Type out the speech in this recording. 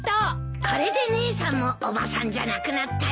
これで姉さんもおばさんじゃなくなったよ。